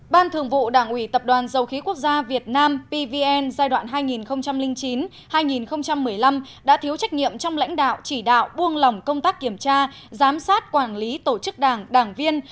ban thường vụ đảng ủy tập đoàn dầu khí quốc gia việt nam pvn giai đoạn hai nghìn chín hai nghìn một mươi năm đã thiếu trách nhiệm trong lãnh đạo chỉ đạo buông lỏng công tác kiểm tra giám sát quản lý tổ chức đảng đảng viên